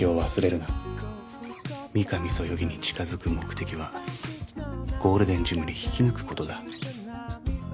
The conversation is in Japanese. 御神そよぎに近づく目的はゴールデンジムに引き抜く事だ。